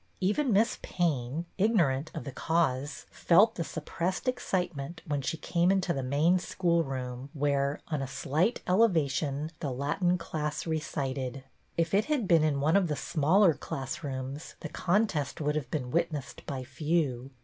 Even Miss Payne, ignorant of the cause, felt the suppre.ssed excitement when she came into the main school room, where, on a slight elevation, the Latin class recited. If it had been in one of the smaller class rooms the contest would have been witnessed by few.